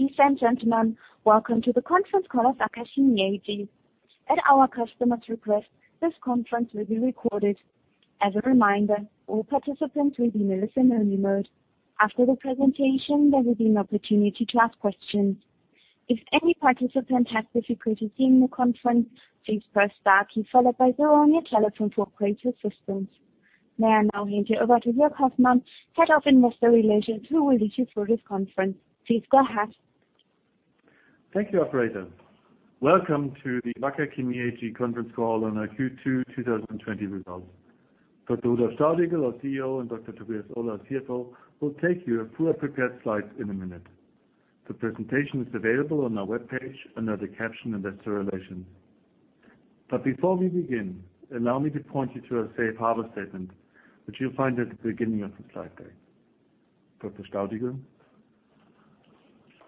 Dear ladies and gentlemen, welcome to the conference call of Wacker Chemie AG. At our customer's request, this conference will be recorded. As a reminder, all participants will be in a listen-only mode. After the presentation, there will be an opportunity to ask questions. If any participant has difficulty seeing the conference, please press star key followed by zero on your telephone for operator assistance. May I now hand you over to Joerg Hoffmann, Head of Investor Relations, who will lead you through this conference. Please go ahead. Thank you, operator. Welcome to the Wacker Chemie AG conference call on our Q2 2020 results. Dr. Rudolf Staudigl, our CEO, and Dr. Tobias Ohler, CFO, will take you through our prepared slides in a minute. The presentation is available on our webpage under the caption Investor Relations. Before we begin, allow me to point you to our safe harbor statement, which you'll find at the beginning of the slide deck. Dr. Staudigl.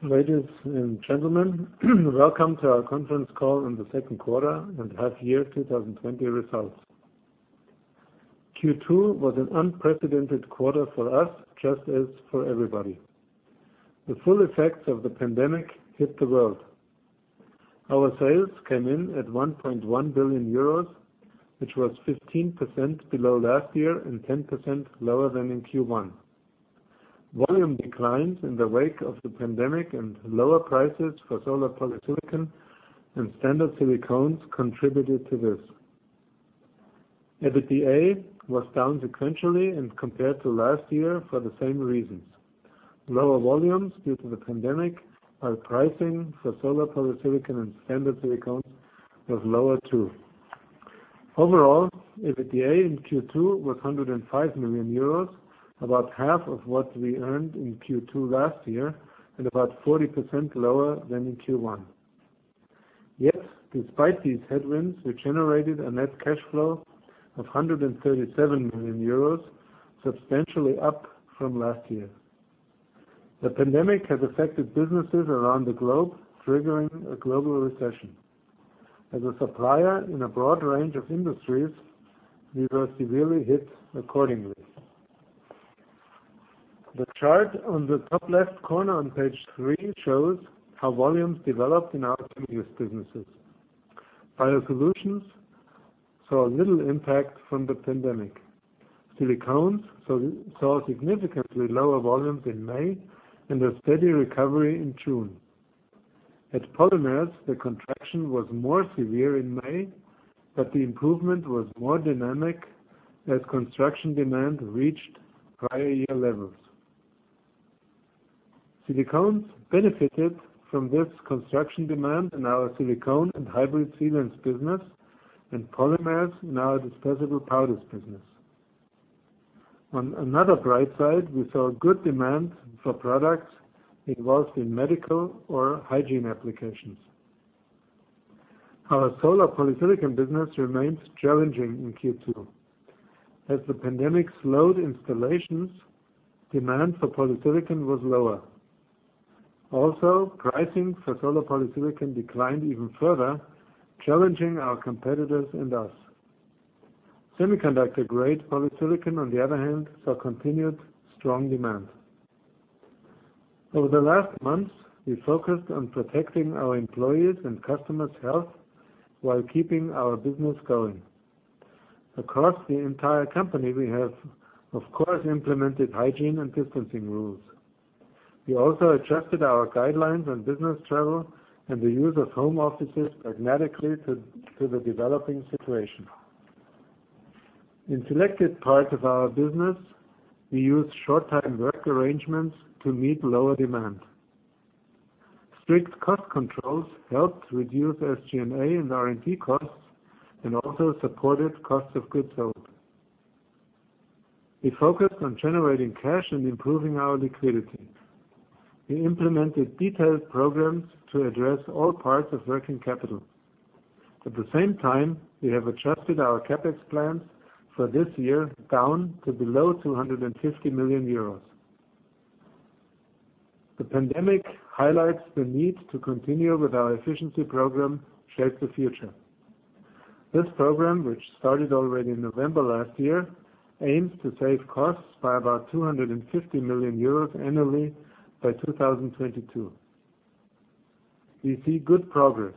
Ladies and gentlemen, welcome to our conference call on the second quarter and half year 2020 results. Q2 was an unprecedented quarter for us, just as for everybody. The full effects of the pandemic hit the world. Our sales came in at 1.1 billion euros, which was 15% below last year and 10% lower than in Q1. Volume declined in the wake of the pandemic, and lower prices for solar polysilicon and standard silicones contributed to this. EBITDA was down sequentially and compared to last year for the same reasons. Lower volumes due to the pandemic, while pricing for solar polysilicon and standard silicones was lower too. Overall, EBITDA in Q2 was 105 million euros, about half of what we earned in Q2 last year, and about 40% lower than in Q1. Despite these headwinds, we generated a net cash flow of 137 million euros, substantially up from last year. The pandemic has affected businesses around the globe, triggering a global recession. As a supplier in a broad range of industries, we were severely hit accordingly. The chart on the top left corner on page three shows how volumes developed in our previous businesses. BIOSOLUTIONS saw little impact from the pandemic. SILICONES saw significantly lower volumes in May and a steady recovery in June. At POLYMERS, the contraction was more severe in May, but the improvement was more dynamic as construction demand reached prior-year levels. SILICONES benefited from this construction demand in our silicone and hybrid sealants business and POLYMERS in our dispersible powders business. On another bright side, we saw good demand for products involved in medical or hygiene applications. Our solar polysilicon business remains challenging in Q2. As the pandemic slowed installations, demand for polysilicon was lower. Pricing for solar polysilicon declined even further, challenging our competitors and us. Semiconductor-grade polysilicon, on the other hand, saw continued strong demand. Over the last months, we focused on protecting our employees' and customers' health while keeping our business going. Across the entire company, we have, of course, implemented hygiene and distancing rules. We also adjusted our guidelines on business travel and the use of home offices pragmatically to the developing situation. In selected parts of our business, we used short-time work arrangements to meet lower demand. Strict cost controls helped reduce SG&A and R&D costs and also supported cost of goods sold. We focused on generating cash and improving our liquidity. We implemented detailed programs to address all parts of working capital. At the same time, we have adjusted our CapEx plans for this year down to below 250 million euros. The pandemic highlights the need to continue with our efficiency program, Shape the Future. This program, which started already in November last year, aims to save costs by about 250 million euros annually by 2022. We see good progress.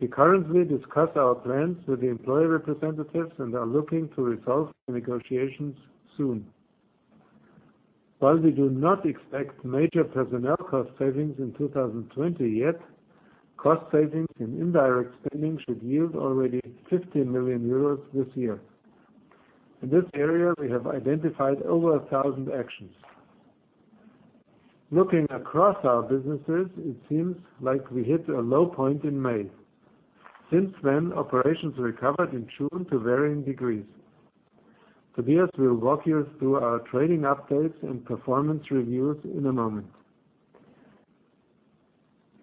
We currently discuss our plans with the employee representatives and are looking to resolve the negotiations soon. While we do not expect major personnel cost savings in 2020 yet, cost savings in indirect spending should yield already 15 million euros this year. In this area, we have identified over 1,000 actions. Looking across our businesses, it seems like we hit a low point in May. Since then, operations recovered in June to varying degrees. Tobias will walk you through our trading updates and performance reviews in a moment.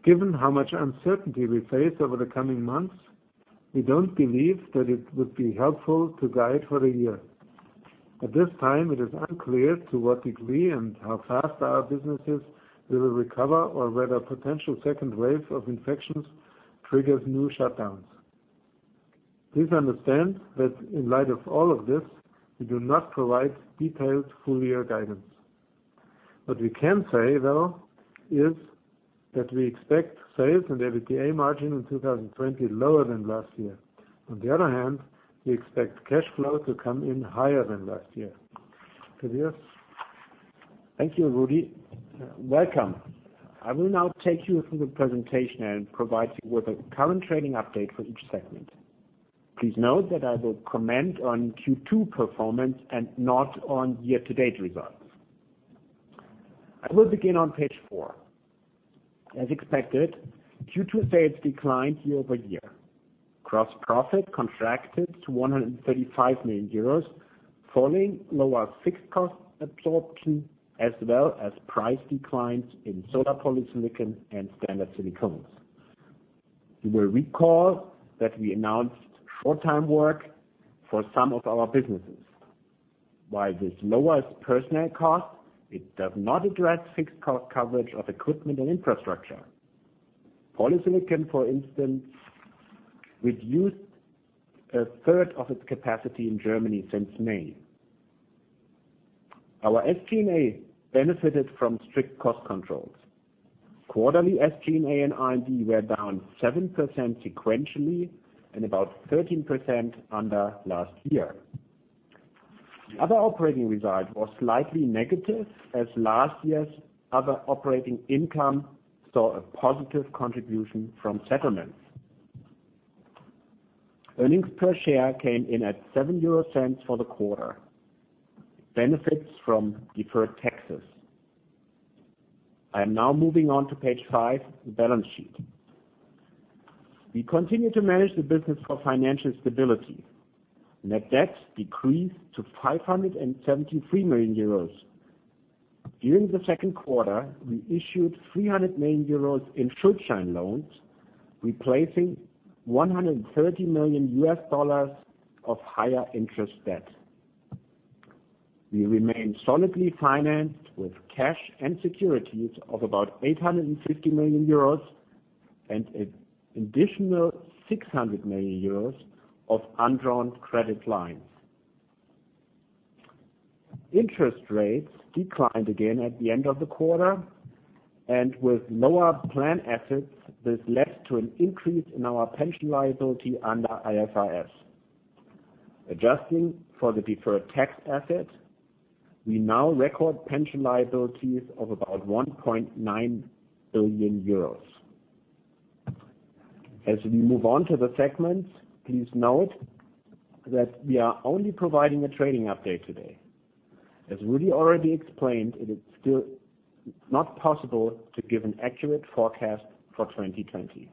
Given how much uncertainty we face over the coming months, we don't believe that it would be helpful to guide for the year. At this time, it is unclear to what degree and how fast our businesses will recover, or whether a potential second wave of infections triggers new shutdowns. Please understand that in light of all of this, we do not provide detailed full-year guidance. What we can say, though, is that we expect sales and EBITDA margin in 2020 lower than last year. On the other hand, we expect cash flow to come in higher than last year. Tobias? Thank you, Rudi. Welcome. I will now take you through the presentation and provide you with a current trading update for each segment. Please note that I will comment on Q2 performance and not on year-to-date results. I will begin on page four. As expected, Q2 sales declined year-over-year. Gross profit contracted to 135 million euros, following lower fixed cost absorption, as well as price declines in solar polysilicon and standard silicones. You will recall that we announced short-time work for some of our businesses. While this lowers personnel costs, it does not address fixed cost coverage of equipment and infrastructure. POLYSILICON, for instance, reduced a third of its capacity in Germany since May. Our SG&A benefited from strict cost controls. Quarterly SG&A and R&D were down 7% sequentially and about 13% under last year. Other operating results was slightly negative as last year's other operating income saw a positive contribution from settlements. Earnings per share came in at 0.07 for the quarter, benefits from deferred taxes. I am now moving on to page five, the balance sheet. We continue to manage the business for financial stability. Net debt decreased to 573 million euros. During the second quarter, we issued 300 million euros in Schuldschein loans, replacing $130 million of higher interest debt. We remain solidly financed with cash and securities of about 850 million euros and an additional 600 million euros of undrawn credit lines. Interest rates declined again at the end of the quarter, and with lower plan assets, this led to an increase in our pension liability under IFRS. Adjusting for the deferred tax asset, we now record pension liabilities of about 1.9 billion euros. As we move on to the segments, please note that we are only providing a trading update today. As Rudi already explained, it is still not possible to give an accurate forecast for 2020.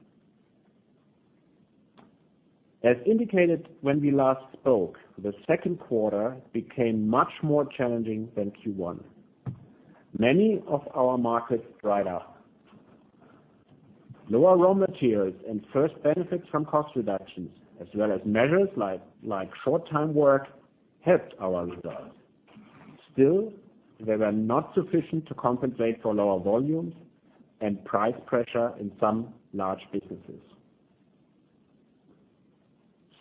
As indicated when we last spoke, the second quarter became much more challenging than Q1. Many of our markets dried up. Lower raw materials and first benefits from cost reductions, as well as measures like short-time work helped our results. Still, they were not sufficient to compensate for lower volumes and price pressure in some large businesses.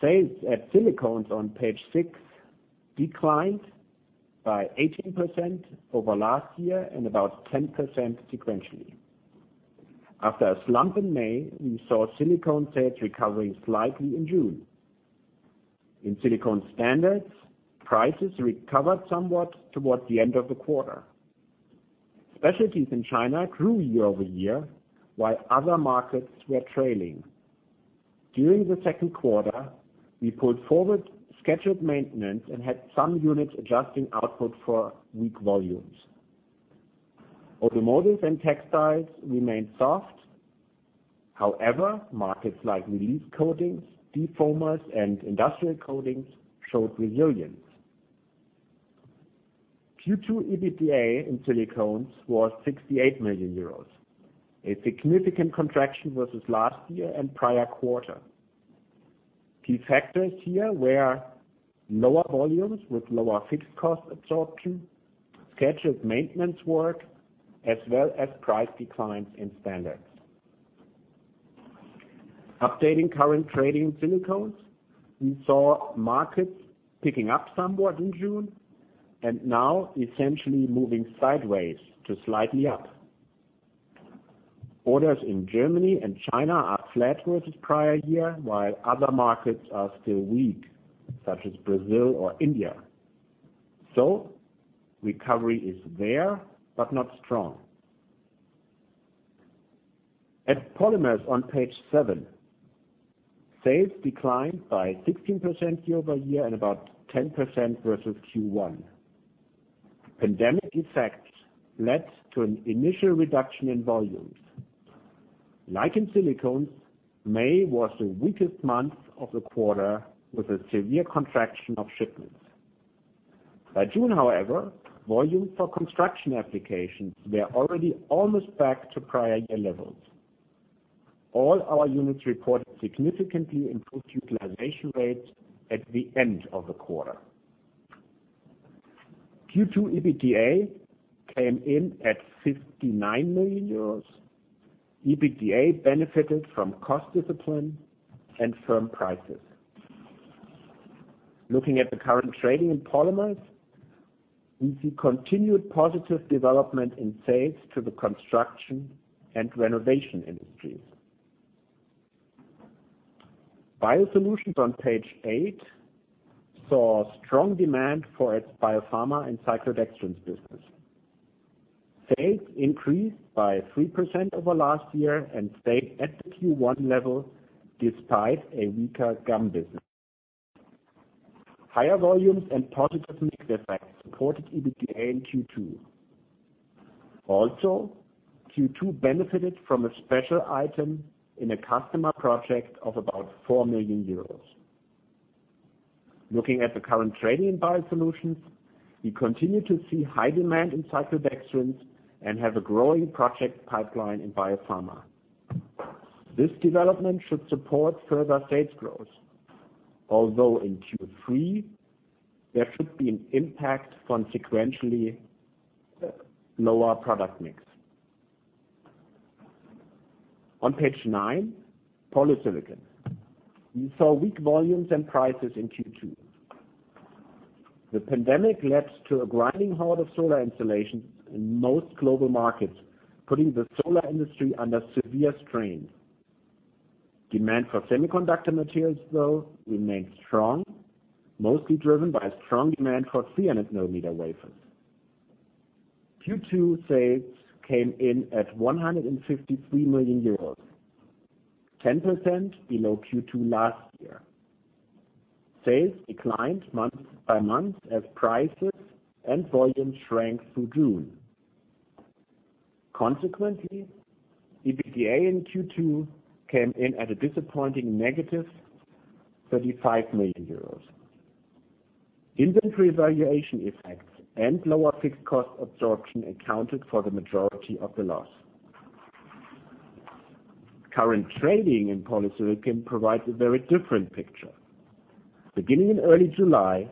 Sales at SILICONES on page six declined by 18% over last year and about 10% sequentially. After a slump in May, we saw silicone sales recovering slightly in June. In silicone standards, prices recovered somewhat towards the end of the quarter. Specialties in China grew year-over-year, while other markets were trailing. During the second quarter, we pulled forward scheduled maintenance and had some units adjusting output for weak volumes. Automotives and textiles remained soft. Markets like release coatings, defoamers, and industrial coatings showed resilience. Q2 EBITDA in SILICONES was 68 million euros, a significant contraction versus last year and prior quarter. Key factors here were lower volumes with lower fixed cost absorption, scheduled maintenance work, as well as price declines in standards. Updating current trading in SILICONES, we saw markets picking up somewhat in June and now essentially moving sideways to slightly up. Orders in Germany and China are flat versus prior year, while other markets are still weak, such as Brazil or India. Recovery is there, but not strong. At POLYMERS on page seven, sales declined by 16% year-over-year and about 10% versus Q1. Pandemic effects led to an initial reduction in volumes. Like in SILICONES, May was the weakest month of the quarter, with a severe contraction of shipments. By June, however, volumes for construction applications were already almost back to prior-year levels. All our units reported significantly improved utilization rates at the end of the quarter. Q2 EBITDA came in at 59 million euros. EBITDA benefited from cost discipline and firm prices. Looking at the current trading in POLYMERS, we see continued positive development in sales to the construction and renovation industries. BIOSOLUTIONS on page eight saw strong demand for its biopharma and cyclodextrins business. Sales increased by 3% over last year and stayed at the Q1 level despite a weaker gum business. Higher volumes and positive mix effects supported EBITDA in Q2. Q2 benefited from a special item in a customer project of about 4 million euros. Looking at the current trading in WACKER BIOSOLUTIONS, we continue to see high demand in cyclodextrins and have a growing project pipeline in biopharma. This development should support further sales growth, although in Q3, there should be an impact from sequentially lower product mix. On page nine, POLYSILICON. We saw weak volumes and prices in Q2. The pandemic led to a grinding halt of solar installations in most global markets, putting the solar industry under severe strain. Demand for semiconductor materials, though, remained strong, mostly driven by strong demand for 300-millimeter wafers. Q2 sales came in at 153 million euros, 10% below Q2 last year. Sales declined month-by-month as prices and volumes shrank through June. Consequently, EBITDA in Q2 came in at a disappointing -35 million euros. Inventory valuation effects and lower fixed cost absorption accounted for the majority of the loss. Current trading in POLYSILICON provides a very different picture. Beginning in early July,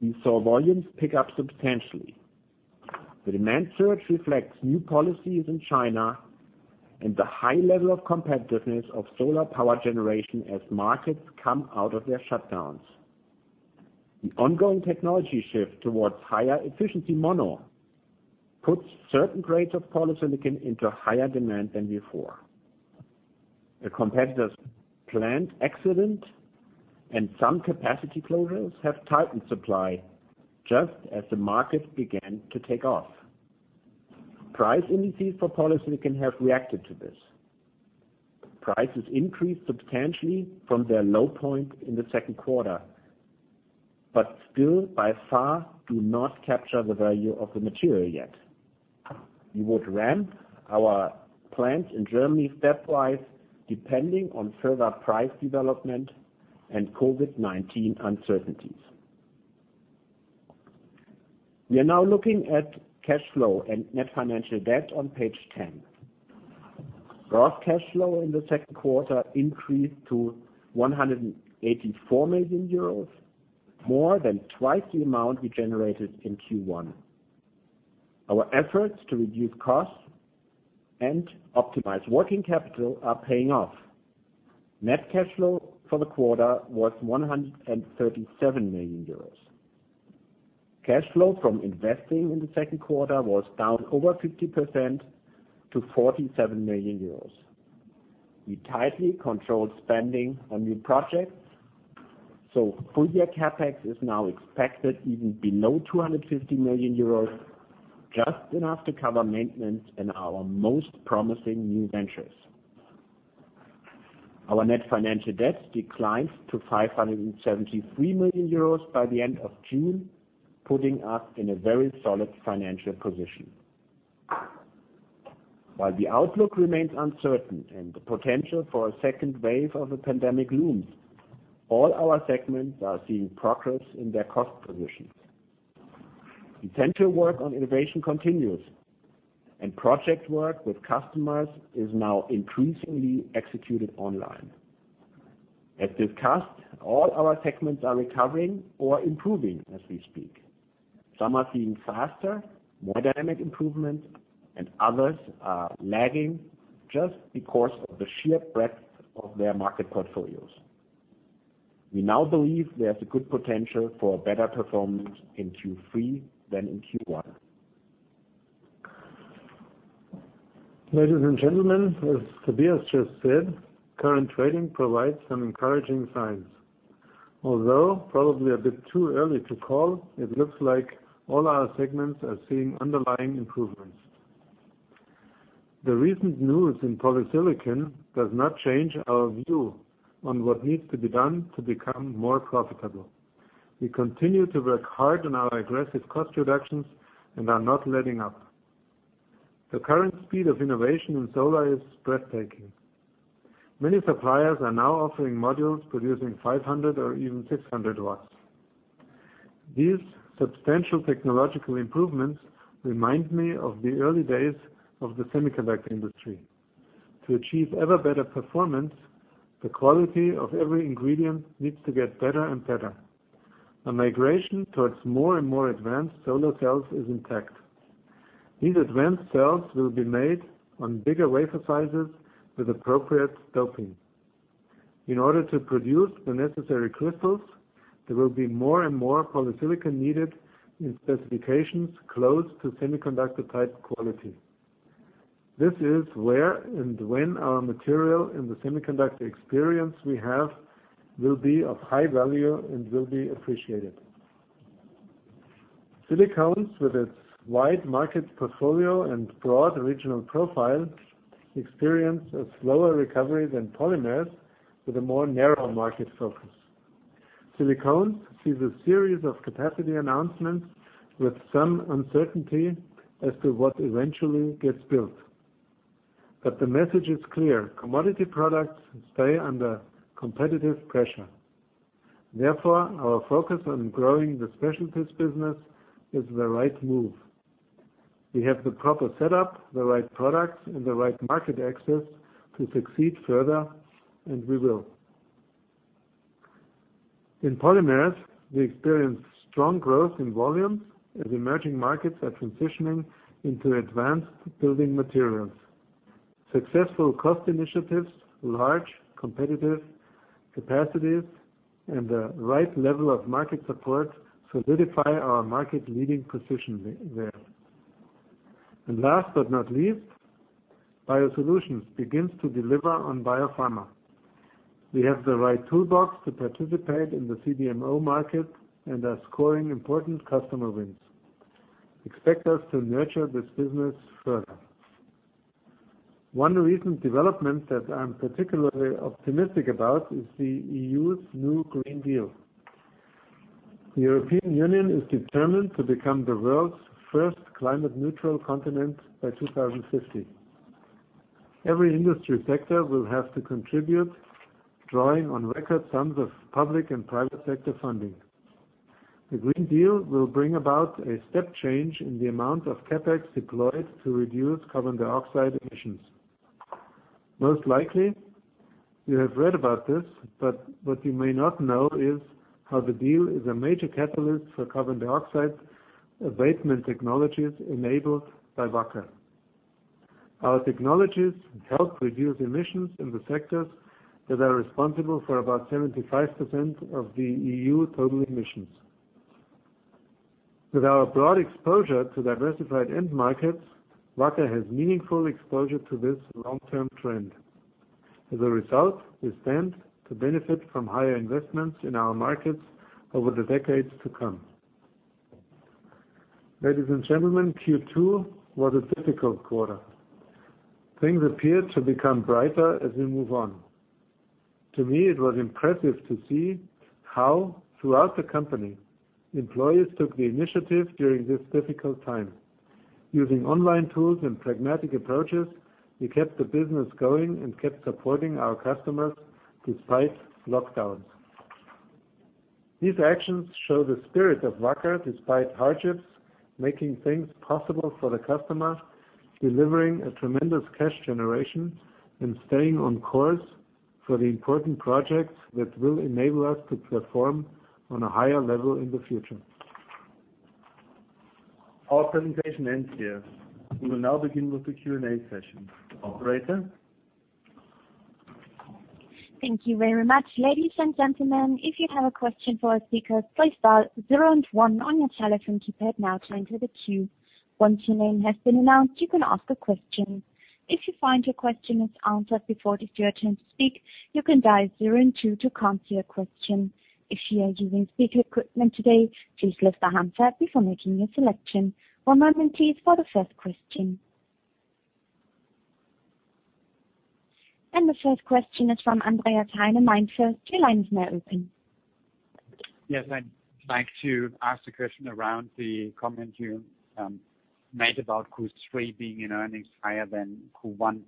we saw volumes pick up substantially. The demand surge reflects new policies in China and the high level of competitiveness of solar power generation as markets come out of their shutdowns. The ongoing technology shift towards higher efficiency mono puts certain grades of polysilicon into higher demand than before. A competitor's plant accident and some capacity closures have tightened supply just as the market began to take off. Price indices for polysilicon have reacted to this. Prices increased substantially from their low point in the second quarter, still by far do not capture the value of the material yet. We would ramp our plants in Germany stepwise, depending on further price development and COVID-19 uncertainties. We are now looking at cash flow and net financial debt on page 10. Gross cash flow in the second quarter increased to 184 million euros, more than twice the amount we generated in Q1. Our efforts to reduce costs and optimize working capital are paying off. Net cash flow for the quarter was 137 million euros. Cash flow from investing in the second quarter was down over 50% to 47 million euros. We tightly controlled spending on new projects, so full-year CapEx is now expected even below 250 million euros, just enough to cover maintenance and our most promising new ventures. Our net financial debt declined to 573 million euros by the end of June, putting us in a very solid financial position. While the outlook remains uncertain and the potential for a second wave of the pandemic looms, all our segments are seeing progress in their cost positions. Potential work on innovation continues, and project work with customers is now increasingly executed online. As discussed, all our segments are recovering or improving as we speak. Some are seeing faster, more dynamic improvement, and others are lagging just because of the sheer breadth of their market portfolios. We now believe there's a good potential for a better performance in Q3 than in Q1. Ladies and gentlemen, as Tobias just said, current trading provides some encouraging signs. Although probably a bit too early to call, it looks like all our segments are seeing underlying improvements. The recent news in polysilicon does not change our view on what needs to be done to become more profitable. We continue to work hard on our aggressive cost reductions and are not letting up. The current speed of innovation in solar is breathtaking. Many suppliers are now offering modules producing 500 or even 600 W. These substantial technological improvements remind me of the early days of the semiconductor industry. To achieve ever better performance, the quality of every ingredient needs to get better and better. A migration towards more and more advanced solar cells is intact. These advanced cells will be made on bigger wafer sizes with appropriate doping. In order to produce the necessary crystals, there will be more and more polysilicon needed in specifications close to semiconductor-type quality. This is where and when our material and the semiconductor experience we have will be of high value and will be appreciated. SILICONES, with its wide market portfolio and broad regional profile, experienced a slower recovery than POLYMERS with a more narrow market focus. SILICONES sees a series of capacity announcements with some uncertainty as to what eventually gets built. The message is clear: commodity products stay under competitive pressure. Therefore, our focus on growing the specialties business is the right move. We have the proper setup, the right products, and the right market access to succeed further, and we will. In POLYMERS, we experienced strong growth in volume as emerging markets are transitioning into advanced building materials. Successful cost initiatives, large competitive capacities, and the right level of market support solidify our market-leading position there. Last but not least, BIOSOLUTIONS begins to deliver on biopharma. We have the right toolbox to participate in the CDMO market and are scoring important customer wins. Expect us to nurture this business further. One recent development that I'm particularly optimistic about is the EU's new Green Deal. The European Union is determined to become the world's first climate-neutral continent by 2050. Every industry sector will have to contribute, drawing on record sums of public and private sector funding. The Green Deal will bring about a step change in the amount of CapEx deployed to reduce carbon dioxide emissions. Most likely, you have read about this, but what you may not know is how the deal is a major catalyst for carbon dioxide abatement technologies enabled by Wacker. Our technologies help reduce emissions in the sectors that are responsible for about 75% of the EU total emissions. With our broad exposure to diversified end markets, Wacker has meaningful exposure to this long-term trend. As a result, we stand to benefit from higher investments in our markets over the decades to come. Ladies and gentlemen, Q2 was a difficult quarter. Things appear to become brighter as we move on. To me, it was impressive to see how, throughout the company, employees took the initiative during this difficult time. Using online tools and pragmatic approaches, we kept the business going and kept supporting our customers despite lockdowns. These actions show the spirit of Wacker despite hardships, making things possible for the customer, delivering a tremendous cash generation, and staying on course for the important projects that will enable us to perform on a higher level in the future. Our presentation ends here. We will now begin with the Q&A session. Operator? Thank you very much, ladies and gentlemen. If you have a question for our speakers, please dial zero and one on your telephone keypad now to enter the queue. Once your name has been announced, you can ask a question. If you find your question is answered before it is your turn to speak, you can dial zero and two to cancel your question. If you are using speaker equipment today, please lift the handset before making your selection. One moment please for the first question. The first question is from Andreas Heine, MainFirst. Your line is now open. Yes. I'd like to ask a question around the comment you made about Q3 being in earnings higher than Q1.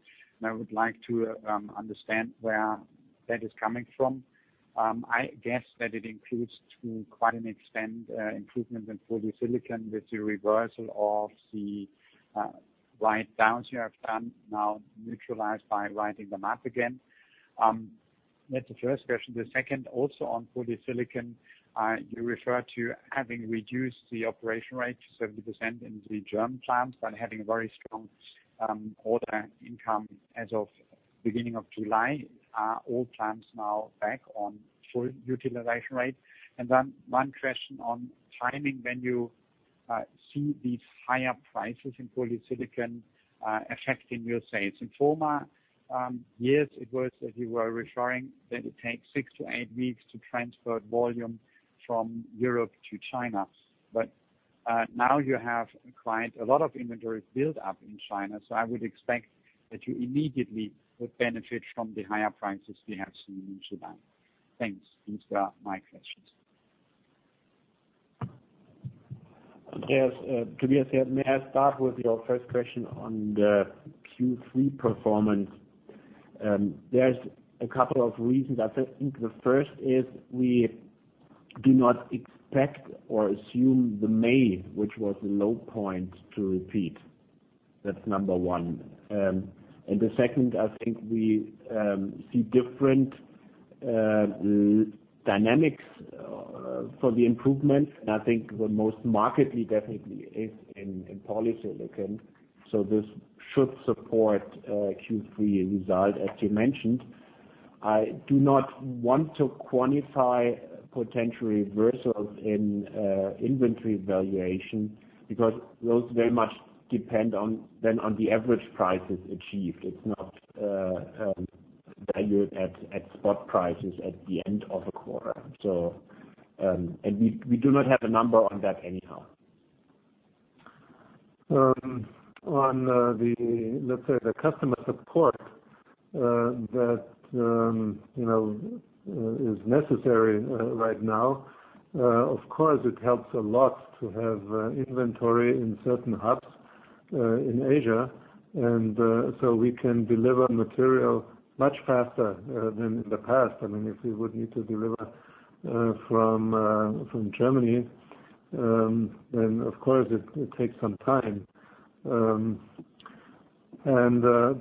I would like to understand where that is coming from. I guess that it includes to quite an extent improvements in POLYSILICON with the reversal of the write-downs you have done now neutralized by writing them up again. That's the first question. The second, also on POLYSILICON, you referred to having reduced the operation rate to 70% in the German plants, but having a very strong order income as of beginning of July. Are all plants now back on full utilization rate? One question on timing. When you see these higher prices in POLYSILICON affecting your sales. In former years, it was that you were referring that it takes six to eight weeks to transfer volume from Europe to China. Now you have acquired a lot of inventory buildup in China, I would expect that you immediately would benefit from the higher prices we have seen in July. Thanks. These are my questions. Yes. Tobias here. May I start with your first question on the Q3 performance? There's a couple of reasons. I think the first is we do not expect or assume the May, which was the low point, to repeat. That's number one. The second, I think we see different dynamics for the improvements, and I think the most markedly definitely is in POLYSILICON. This should support Q3 result, as you mentioned. I do not want to quantify potential reversals in inventory valuation because those very much depend on the average prices achieved. It's not valued at spot prices at the end of a quarter. We do not have a number on that anyhow. On the customer support that is necessary right now, of course, it helps a lot to have inventory in certain hubs in Asia. So we can deliver material much faster than in the past. If we would need to deliver from Germany, then of course it takes some time.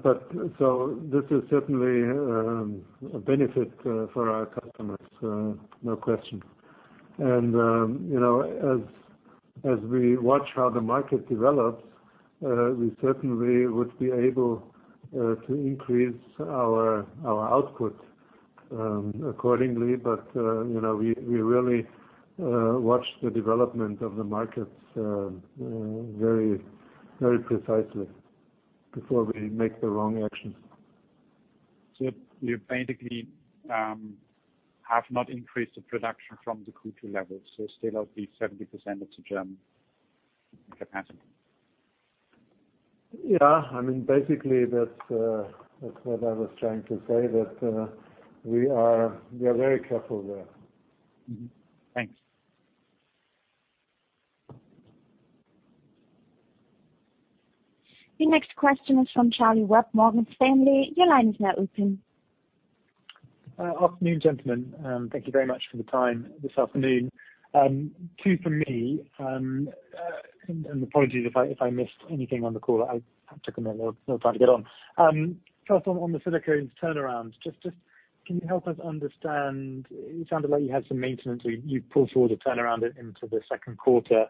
This is certainly a benefit for our customers. No question. As we watch how the market develops, we certainly would be able to increase our output accordingly. We really watch the development of the markets very precisely before we make the wrong actions. You basically have not increased the production from the Q2 levels, so still at least 70% of the German capacity. Yeah. Basically, that's what I was trying to say, that we are very careful there. Mm-hmm. Thanks. The next question is from Charlie Webb, Morgan Stanley. Your line is now open. Afternoon, gentlemen. Thank you very much for the time this afternoon. Two from me, apologies if I missed anything on the call. I took a little time to get on. First, on the SILICONES turnaround, can you help us understand, it sounded like you had some maintenance or you pulled forward the turnaround into the second quarter.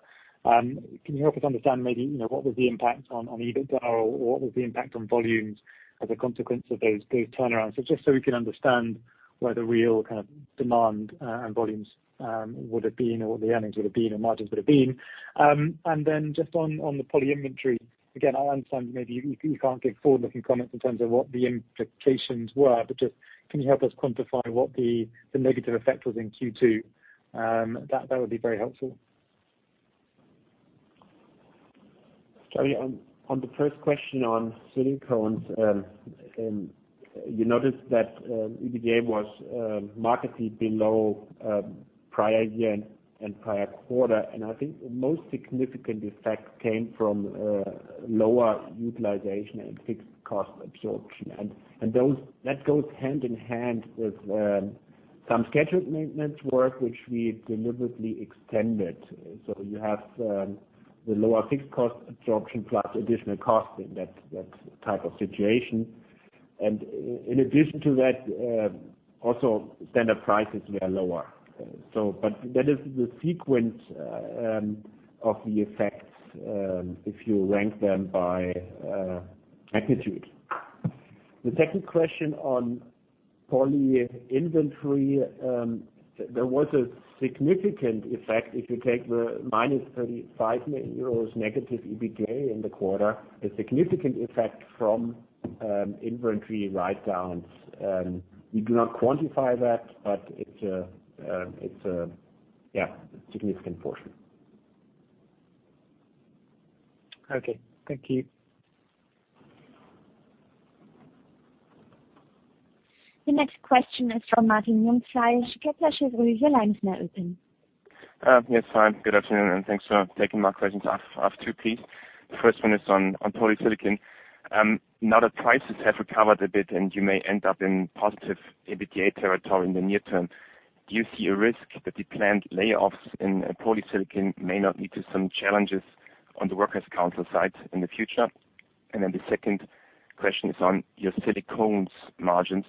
Can you help us understand maybe, what was the impact on EBITDA, or what was the impact on volumes as a consequence of those turnarounds? Just so we can understand where the real kind of demand and volumes would have been, or the earnings would have been, and margins would have been. Just on the POLY inventory, again, I understand maybe you can't give forward-looking comments in terms of what the implications were, but just can you help us quantify what the negative effect was in Q2? That would be very helpful. Charlie, on the first question on SILICONES, you noticed that EBITDA was markedly below prior year and prior quarter, I think the most significant effect came from lower utilization and fixed cost absorption. That goes hand in hand with some scheduled maintenance work, which we deliberately extended. You have the lower fixed cost absorption plus additional cost in that type of situation. In addition to that, also standard prices were lower. That is the sequence of the effects, if you rank them by magnitude. The second question on POLY inventory. There was a significant effect if you take the -35 million euros negative EBITDA in the quarter, a significant effect from inventory write-downs. We do not quantify that, but it's a significant portion. Okay. Thank you. The next question is from Martin Jungfleisch, Kepler Cheuvreux. Your line is now open. Yes. Hi. Good afternoon. Thanks for taking my questions. I have two, please. The first one is on POLYSILICON. Now that prices have recovered a bit and you may end up in positive EBITDA territory in the near term, do you see a risk that the planned layoffs in polysilicon may now lead to some challenges on the Worker's Council side in the future? The second question is on your SILICONES margins.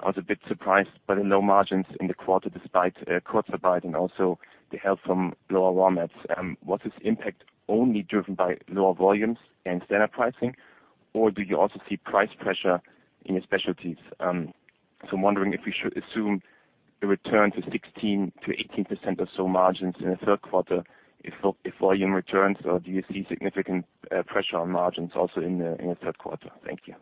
I was a bit surprised by the low margins in the quarter despite cost abating, also the help from lower raw mats. Was this impact only driven by lower volumes and standard pricing, or do you also see price pressure in your specialties? I'm wondering if we should assume a return to 16%-18% or so margins in the third quarter if volume returns, or do you see significant pressure on margins also in the third quarter? Thank you.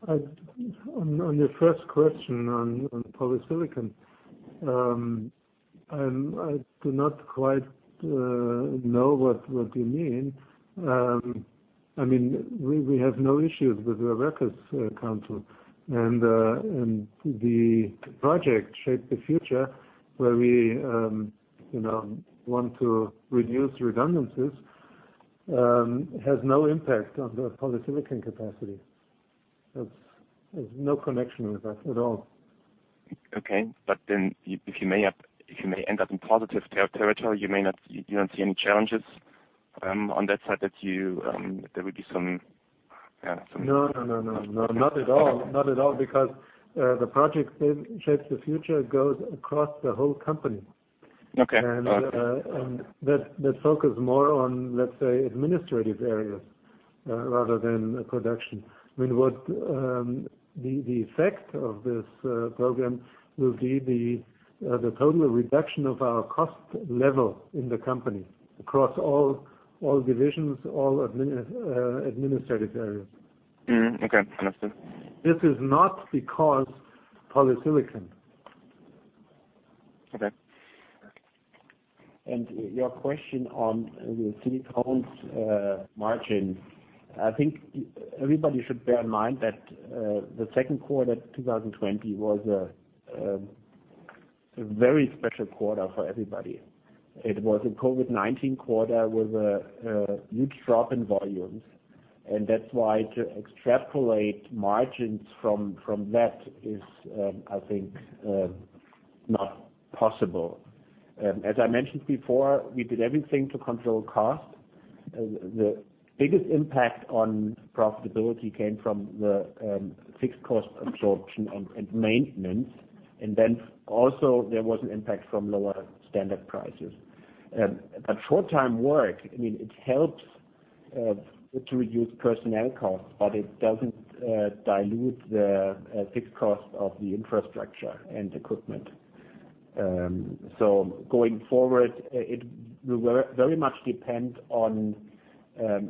On your first question on POLYSILICON. I do not quite know what you mean. We have no issues with the Worker's Council. The project Shape the Future, where we want to reduce redundancies, has no impact on the POLYSILICON capacity. There's no connection with that at all. Okay. If you may end up in positive territory, you don't see any challenges on that side? No, not at all. Because the project Shape the Future goes across the whole company. Okay. All right. We focus more on, let's say, administrative areas, rather than production. The effect of this program will be the total reduction of our cost level in the company, across all divisions, all administrative areas. Mm-hmm. Okay. Understood. This is not because POLYSILICON. Okay. Your question on the SILICONES margin. I think everybody should bear in mind that the second quarter 2020 was a very special quarter for everybody. It was a COVID-19 quarter with a huge drop in volumes, that is why to extrapolate margins from that is, I think, not possible. As I mentioned before, we did everything to control cost. The biggest impact on profitability came from the fixed cost absorption and maintenance. Then also there was an impact from lower standard prices. Short-time work, it helps to reduce personnel costs, but it doesn't dilute the fixed cost of the infrastructure and equipment. Going forward, it will very much depend on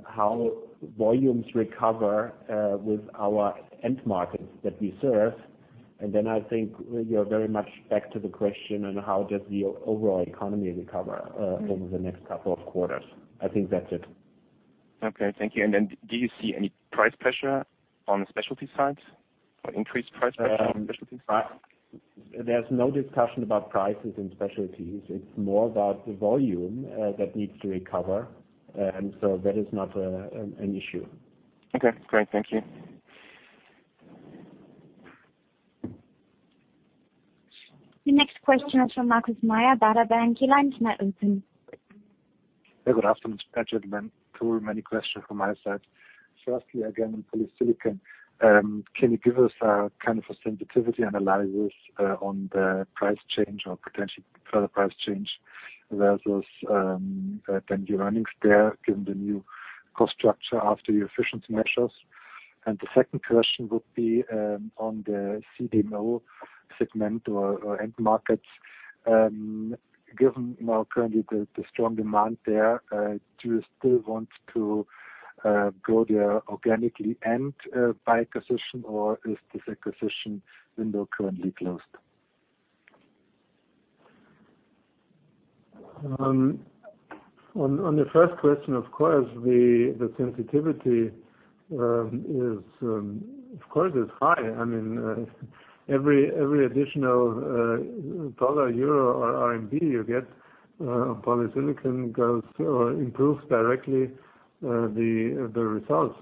how volumes recover with our end markets that we serve. Then I think you're very much back to the question on how does the overall economy recover over the next couple of quarters. I think that's it. Okay, thank you. Do you see any price pressure on the specialty side? Increased price pressure on the specialty side? There's no discussion about prices in specialties. It's more about the volume that needs to recover. That is not an issue. Okay, great. Thank you. The next question is from Markus Mayer, Baader Bank. Your line is now open. Good afternoon. Two or many questions from my side. Firstly, again, on POLYSILICON. Can you give us a kind of a sensitivity analysis on the price change or potential further price change versus then your earnings there, given the new cost structure after your efficiency measures? The second question would be, on the CDMO segment or end markets. Given now currently the strong demand there, do you still want to grow there organically and by acquisition, or is this acquisition window currently closed? On the first question, of course, the sensitivity of course is high. Every additional dollar, euro, or RMB you get on POLYSILICON improves directly the results.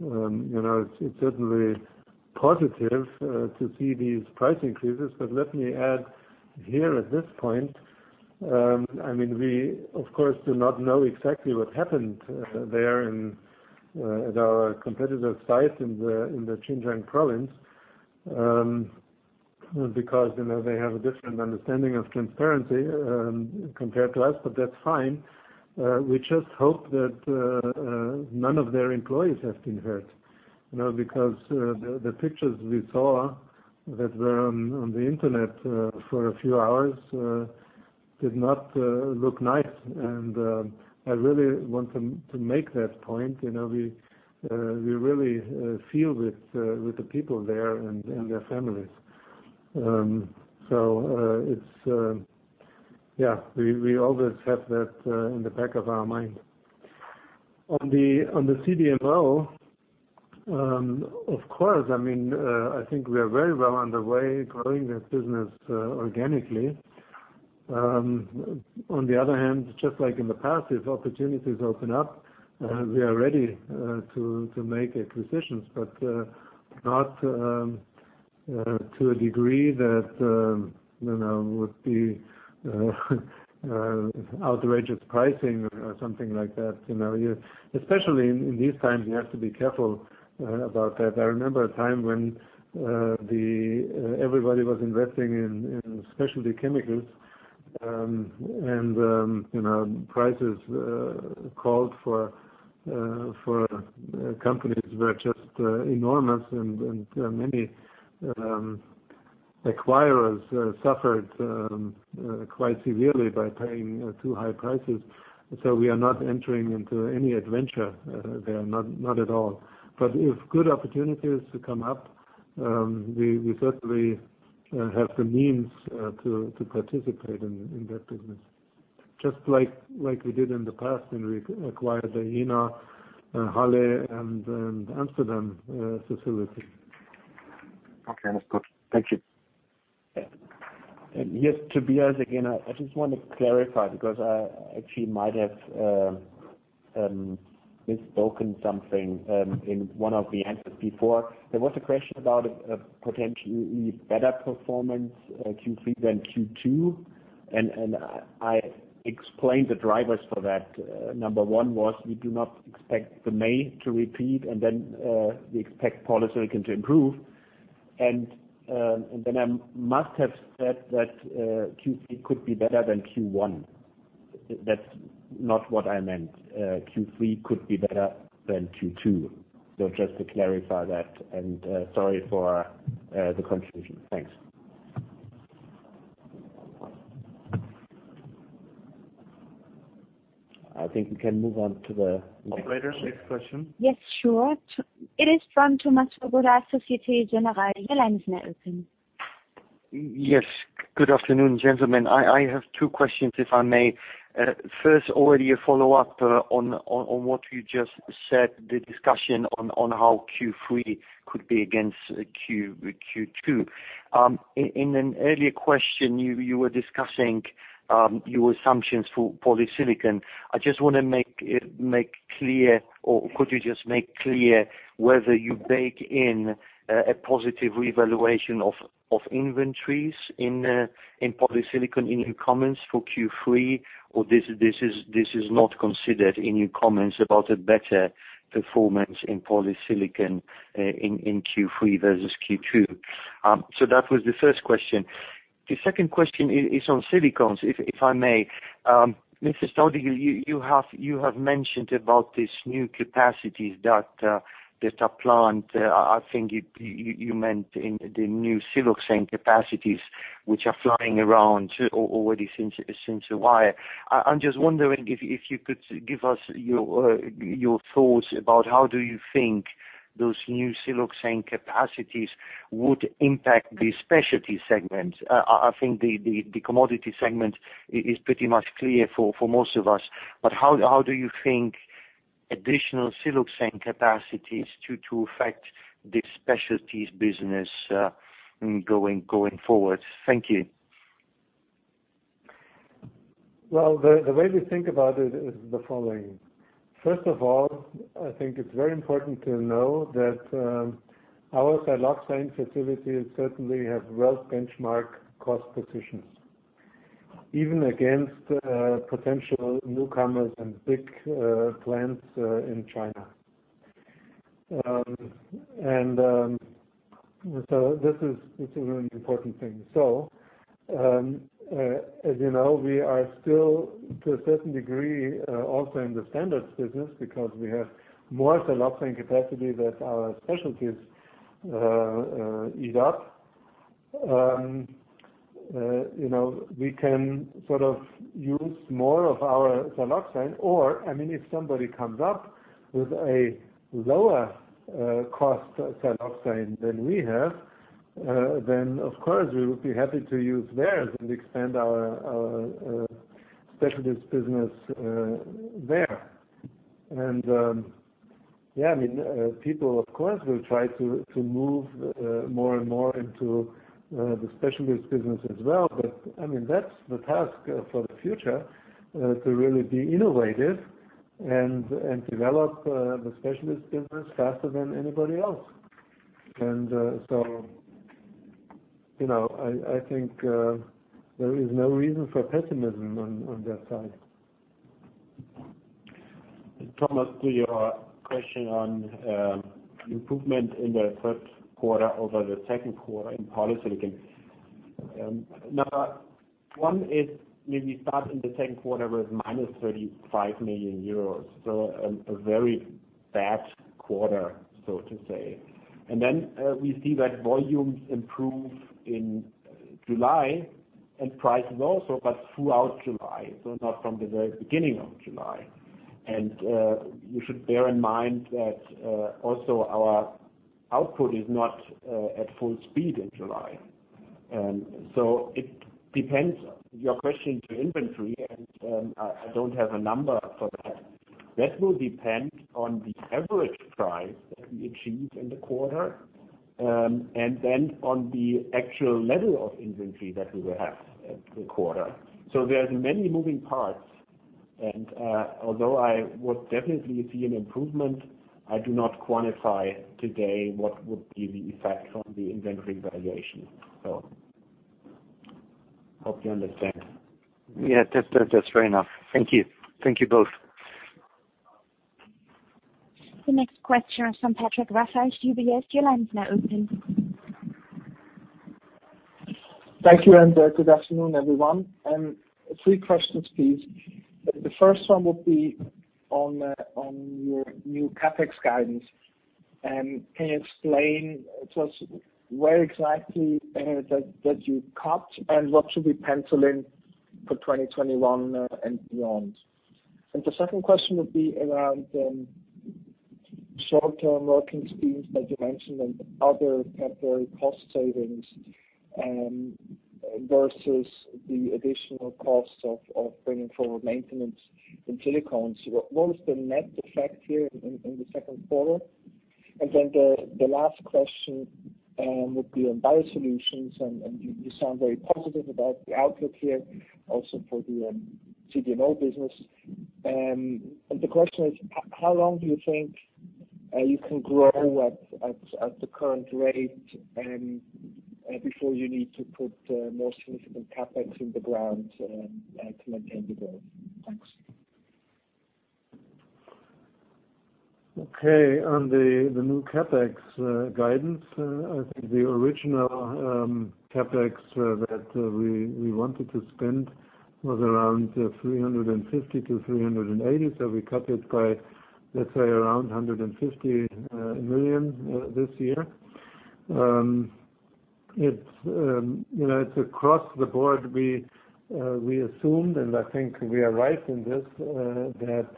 It's certainly positive to see these price increases. Let me add here at this point, we of course do not know exactly what happened there at our competitor site in the Xinjiang province. They have a different understanding of transparency compared to us, but that's fine. We just hope that none of their employees have been hurt. The pictures we saw that were on the internet for a few hours did not look nice. I really want to make that point. We really feel with the people there and their families. We always have that in the back of our mind. On the CDMO, of course, I think we are very well on the way growing that business organically. On the other hand, just like in the past, if opportunities open up, we are ready to make acquisitions, but not to a degree that would be outrageous pricing or something like that. Especially in these times, you have to be careful about that. I remember a time when everybody was investing in specialty chemicals, and prices called for companies were just enormous and many acquirers suffered quite severely by paying too-high prices. We are not entering into any adventure there, not at all. If good opportunities come up, we certainly have the means to participate in that business. Just like we did in the past when we acquired the Jena, Halle, and Amsterdam facilities. Okay, that's good. Thank you. Yes, Tobias again. I just want to clarify because I actually might have misspoken something in one of the answers before. There was a question about a potentially better performance Q3 than Q2, and I explained the drivers for that. Number one was we do not expect the May to repeat, and then we expect POLYSILICON to improve. I must have said that Q3 could be better than Q1. That's not what I meant. Q3 could be better than Q2. Just to clarify that, and sorry for the contribution. Thanks. I think we can move on to the— Operator, next question. Yes, sure. It is from Thomas Swoboda, Société Générale. Your line is now open. Yes. Good afternoon, gentlemen. I have two questions, if I may. First, already a follow-up on what you just said, the discussion on how Q3 could be against Q2. In an earlier question, you were discussing your assumptions for POLYSILICON. I just want to make clear, or could you just make clear whether you bake in a positive revaluation of inventories in POLYSILICON in your comments for Q3, or this is not considered in your comments about a better performance in POLYSILICON in Q3 versus Q2? That was the first question. The second question is on SILICONES, if I may. Mr. Staudigl, you have mentioned about these new capacities that a plant, I think you meant in the new siloxane capacities, which are flying around already since a while. I'm just wondering if you could give us your thoughts about how do you think those new siloxane capacities would impact the specialty segment. I think the commodity segment is pretty much clear for most of us, but how do you think additional siloxane capacities to affect the specialties business going forward? Thank you. Well, the way we think about it is the following. First of all, I think it's very important to know that our siloxane facilities certainly have world benchmark cost positions, even against potential newcomers and big plants in China. This is a really important thing. As you know, we are still to a certain degree also in the standards business because we have more siloxane capacity that our specialties eat up. We can sort of use more of our siloxane, or if somebody comes up with a lower-cost siloxane than we have, then of course, we would be happy to use theirs and expand our specialties business there. Yeah, people of course, will try to move more and more into the specialties business as well. That's the task for the future, to really be innovative and develop the specialties business faster than anybody else. I think there is no reason for pessimism on that side. Thomas, to your question on improvement in the third quarter over the second quarter in POLYSILICON. Number one is when we start in the second quarter with -35 million euros. A very bad quarter, so to say. We see that volumes improve in July and prices also, but throughout July, so not from the very beginning of July. You should bear in mind that also our output is not at full speed in July. It depends. Your question to inventory, and I don't have a number for that. That will depend on the average price that we achieve in the quarter, and then on the actual level of inventory that we will have in the quarter. There is many moving parts, and although I would definitely see an improvement, I do not quantify today what would be the effect on the inventory valuation. Hope you understand. Yeah. That's fair enough. Thank you. Thank you both. The next question is from Patrick Rafaisz, UBS. Your line is now open. Thank you, good afternoon, everyone. Three questions, please. The first one would be on your new CapEx guidance. Can you explain to us where exactly that you cut and what should we pencil in for 2021 and beyond? The second question would be around short-term working schemes, as you mentioned, and other temporary cost savings versus the additional costs of bringing forward maintenance in SILICONES. What is the net effect here in the second quarter? The last question would be on BIOSOLUTIONS. You sound very positive about the outlook here also for the CDMO business. The question is, how long do you think you can grow at the current rate before you need to put more significant CapEx in the ground to maintain the growth? Thanks. Okay, on the new CapEx guidance, I think the original CapEx that we wanted to spend was around 350 million-380 million. We cut it by, let's say, around 150 million this year. It's across the board. We assumed, and I think we are right in this, that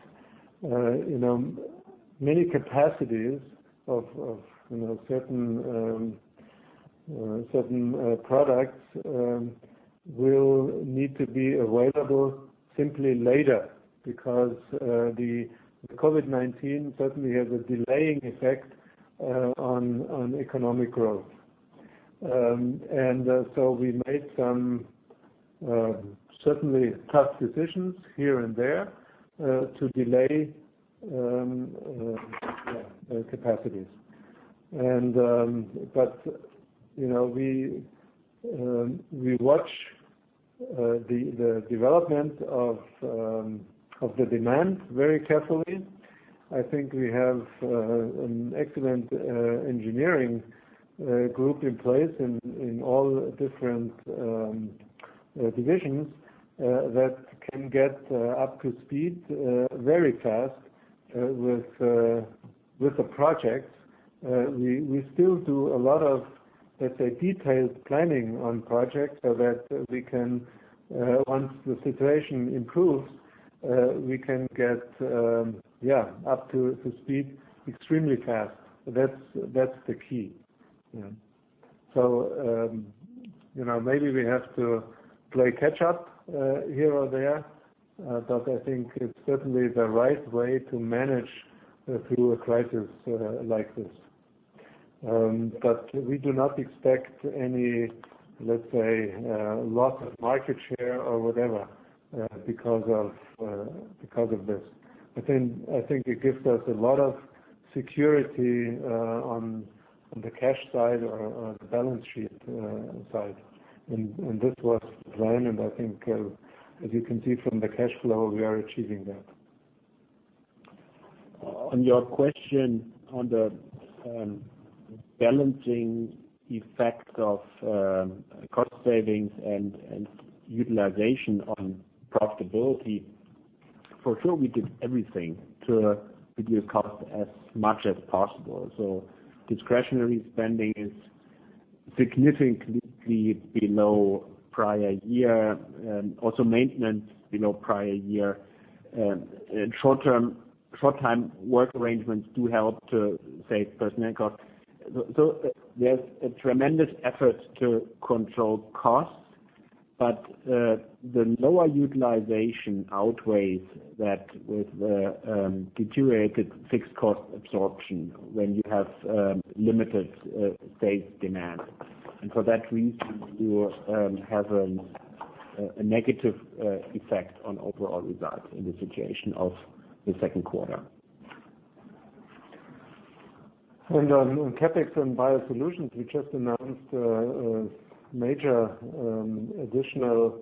many capacities of certain products will need to be available simply later because the COVID-19 certainly has a delaying effect on economic growth. We made some certainly tough decisions here and there to delay capacities. We watch the development of the demand very carefully. I think we have an excellent engineering group in place in all different divisions that can get up to speed very fast with the projects. We still do a lot of, let's say, detailed planning on projects so that once the situation improves, we can get up to speed extremely fast. That's the key. Maybe we have to play catch up here or there. I think it's certainly the right way to manage through a crisis like this. We do not expect any, let's say, loss of market share or whatever because of this. I think it gives us a lot of security on the cash side or the balance sheet side. This was planned, and I think as you can see from the cash flow, we are achieving that. On your question on the balancing effect of cost savings and utilization on profitability. For sure, we did everything to reduce costs as much as possible. Discretionary spending is significantly below prior year, and also maintenance below prior year. Short-time work arrangements do help to save personnel costs. There's a tremendous effort to control costs, but the lower utilization outweighs that with the deteriorated fixed cost absorption when you have limited safe demand. For that reason, you have a negative effect on overall results in the situation of the second quarter. On CapEx and BIOSOLUTIONS, we just announced a major additional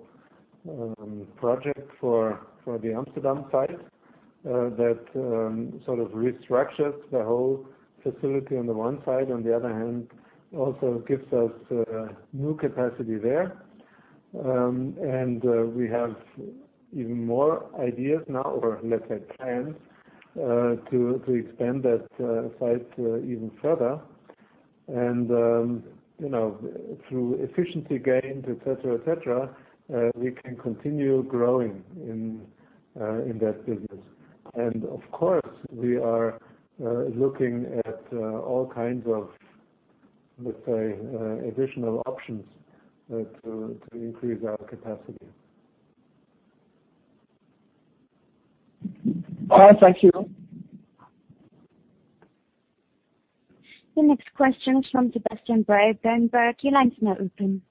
project for the Amsterdam site that sort of restructures the whole facility on the one side. On the other hand, also gives us new capacity there. We have even more ideas now, or let's say plans, to expand that site even further. Through efficiency gains, et cetera, we can continue growing in that business. Of course, we are looking at all kinds of, let's say, additional options to increase our capacity. All right. Thank you. The next question is from Sebastian Bray at Berenberg. Your line is now open.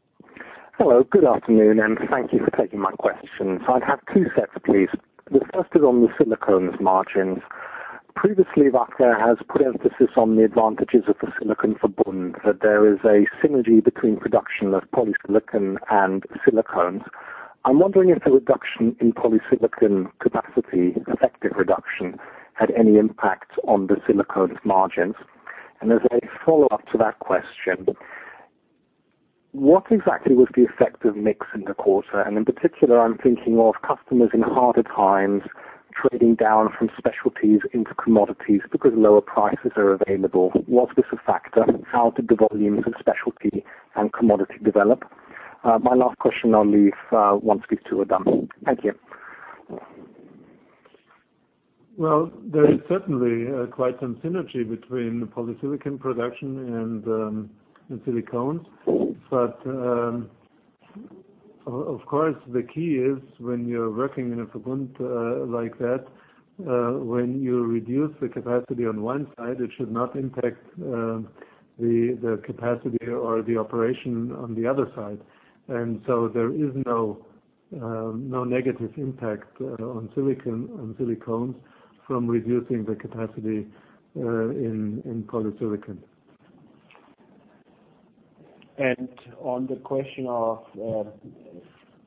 Hello. Good afternoon, and thank you for taking my questions. I have two sets, please. The first is on the SILICONES margins. Previously, Wacker has put emphasis on the advantages of the silicon Verbund, that there is a synergy between production of POLYSILICON and SILICONES. I'm wondering if the reduction in polysilicon capacity, effective reduction, had any impact on the SILICONES margins. As a follow-up to that question, what exactly was the effect of mix in the quarter? In particular, I'm thinking of customers in harder times trading down from specialties into commodities because lower prices are available. Was this a factor? How did the volumes of specialty and commodity develop? My last question I'll leave once these two are done. Thank you. There is certainly quite some synergy between the POLYSILICON production and SILICONES. Of course, the key is when you're working in a Verbund like that, when you reduce the capacity on one side, it should not impact the capacity or the operation on the other side. There is no negative impact on SILICONES from reducing the capacity in POLYSILICON. On the question of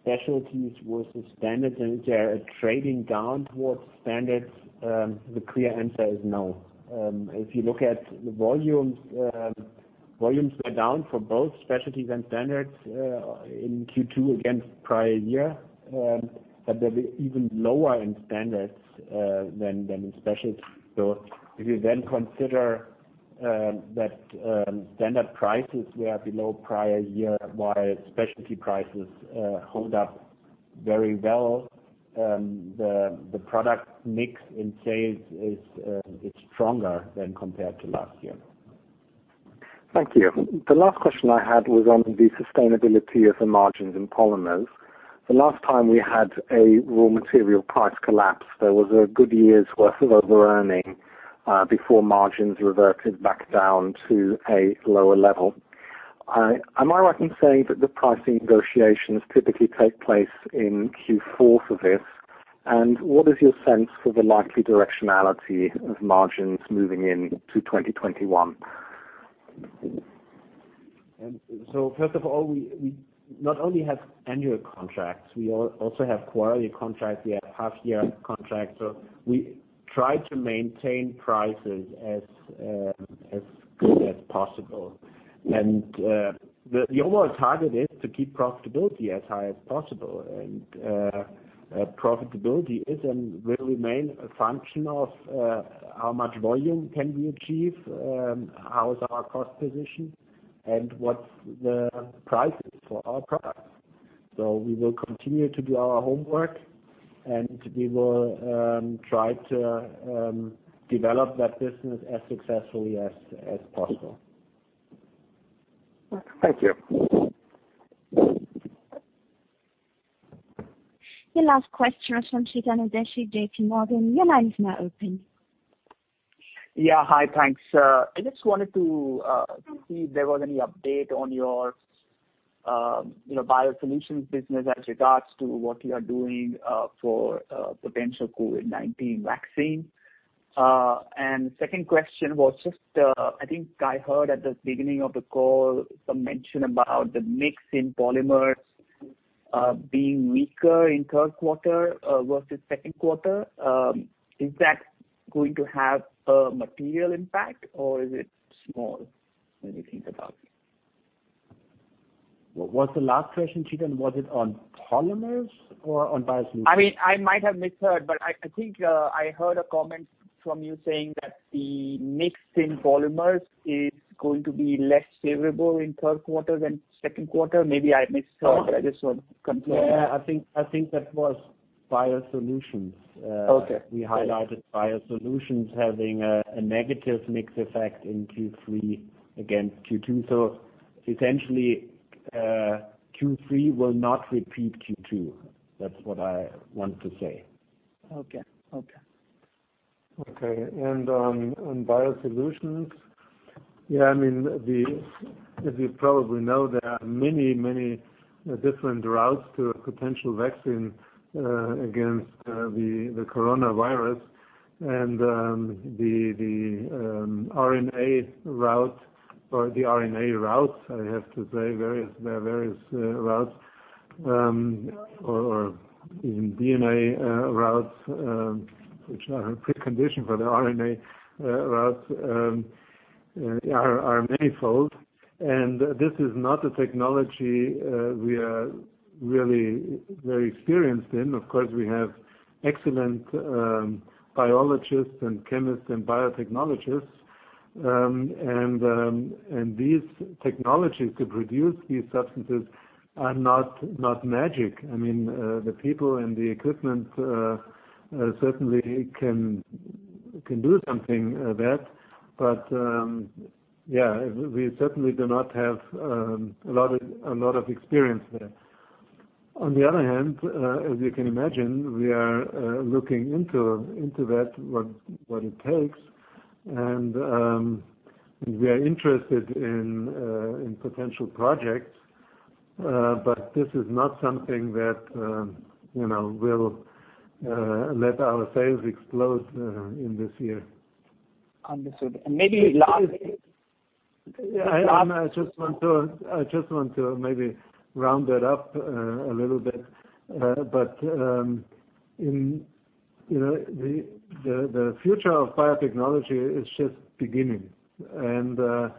specialties versus standards, and they are trading down towards standards, the clear answer is no. You look at the volumes were down for both specialties and standards in Q2 against prior year. They'll be even lower in standards than in specialties. If you then consider that standard prices were below prior year, while specialty prices hold up very well, the product mix in sales is stronger than compared to last year. Thank you. The last question I had was on the sustainability of the margins in POLYMERS. The last time we had a raw material price collapse, there was a good year's worth of over-earning before margins reverted back down to a lower level. Am I right in saying that the pricing negotiations typically take place in Q4 for this? What is your sense for the likely directionality of margins moving into 2021? First of all, we not only have annual contracts, we also have quarterly contracts. We have half-year contracts. We try to maintain prices as good as possible. The overall target is to keep profitability as high as possible. Profitability is and will remain a function of how much volume can we achieve, how is our cost position, and what's the prices for our products. We will continue to do our homework and we will try to develop that business as successfully as possible. Thank you. The last question is from Chetan Udeshi, JPMorgan. Your line is now open. Yeah. Hi, thanks. I just wanted to see if there was any update on your BIOSOLUTIONS business as regards to what you are doing for potential COVID-19 vaccine. Second question was just, I think I heard at the beginning of the call some mention about the mix in POLYMERS being weaker in third quarter versus second quarter. Is that going to have a material impact or is it small when you think about it? What was the last question, Chetan? Was it on POLYMERS or on BIOSOLUTIONS? I might have misheard, but I think I heard a comment from you saying that the mix in POLYMERS is going to be less favorable in third quarter than second quarter. Maybe I misheard, but I just want to confirm. No, I think that was BIOSOLUTIONS. Okay. We highlighted BIOSOLUTIONS having a negative mix effect in Q3 against Q2. Essentially, Q3 will not repeat Q2. That's what I want to say. Okay. Okay. Okay. On BIOSOLUTIONS. Yeah, as you probably know, there are many different routes to a potential vaccine against the coronavirus and the RNA route, or the RNA routes, I have to say there are various routes, or even DNA routes, which are a precondition for the RNA routes, are manifold. This is not a technology we are really very experienced in. Of course, we have excellent biologists and chemists and biotechnologists. These technologies to produce these substances are not magic. The people and the equipment certainly can do something there. Yeah, we certainly do not have a lot of experience there. On the other hand, as you can imagine, we are looking into that, what it takes, and we are interested in potential projects. This is not something that will let our sales explode in this year. Understood. Yeah. I just want to maybe round it up a little bit. The future of biotechnology is just beginning. RNA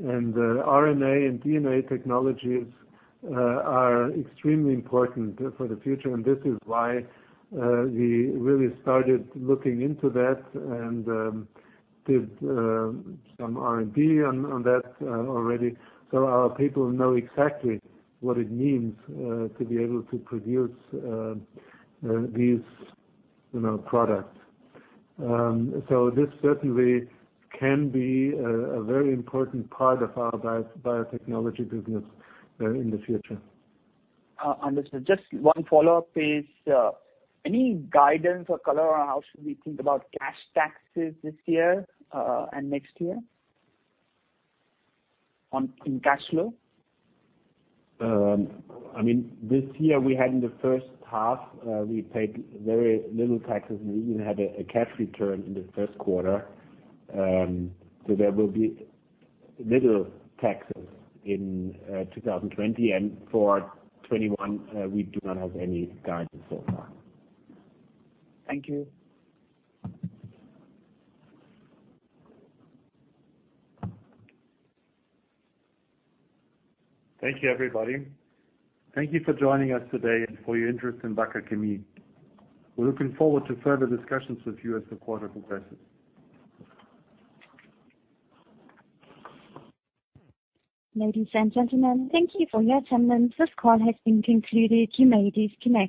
and DNA technologies are extremely important for the future, and this is why we really started looking into that and did some R&D on that already. Our people know exactly what it means to be able to produce these products. This certainly can be a very important part of our biotechnology business in the future. Understood. Just one follow-up is, any guidance or color on how should we think about cash taxes this year and next year in cash flow? This year we had in the first half, we paid very little taxes, and we even had a cash return in the first quarter. There will be little taxes in 2020. For 2021, we do not have any guidance so far. Thank you. Thank you, everybody. Thank you for joining us today and for your interest in Wacker Chemie. We are looking forward to further discussions with you as the quarter progresses. Ladies and gentlemen, thank you for your attendance. This call has been concluded. You may disconnect.